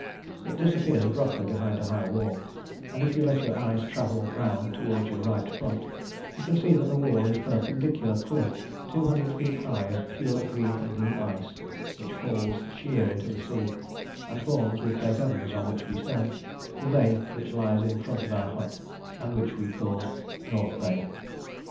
It disappears abruptly behind a high wall, and if you let your eyes travel round towards your right front you see that the wall is a perpendicular cliff two hundred feet high of pure green and blue ice, which falls sheer into the sea, and forms, with Cape Evans, on which we stand, the bay which lies in front of our hut, and which we called North Bay.